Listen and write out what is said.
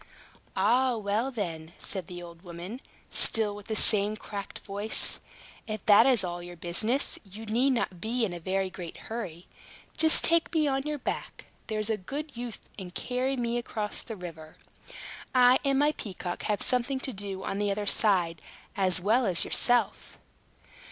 "Ah, well, then," said the old woman, still with the same cracked voice, "if that is all your business, you need not be in a very great hurry. Just take me on your back, there's a good youth, and carry me across the river. I and my peacock have something to do on the other side, as well as yourself."